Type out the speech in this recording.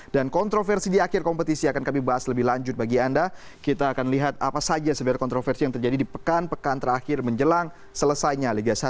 dan kontroversi di akhir kompetisi akan kami bahas lebih lanjut bagi anda kita akan lihat apa saja sebarang kontroversi yang terjadi di pekan pekan terakhir menjelang selesainya liga satu